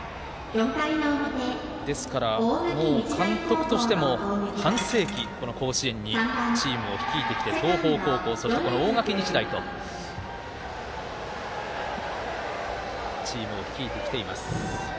ですから、監督としても半世紀この甲子園にチームを率いてきている東邦高校、そして大垣日大とチームを率いてきています。